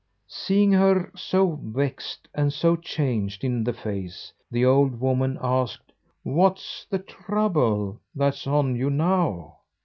Seeing her so vexed and so changed in the face, the old woman asked: "What's the trouble that's on you now?"